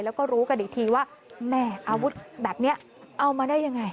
แล้วก็รู้กันอีกทีว่าแม่อาวุธแบบนี้เอามาได้ยังไง